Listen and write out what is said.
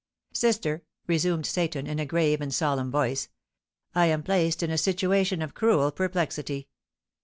"Sister," resumed Seyton, in a grave and solemn voice, "I am placed in a situation of cruel perplexity.